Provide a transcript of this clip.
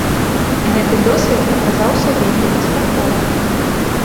Гэты досвед аказаўся вельмі паспяховым.